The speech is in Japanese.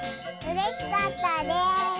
うれしかったです。